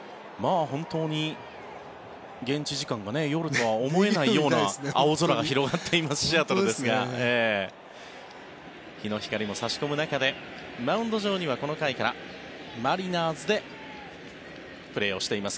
本当に現地時間が夜とは思えないような青空が広がっていますシアトルですが日の光も差し込む中でマウンド上には、この回からマリナーズでプレーをしています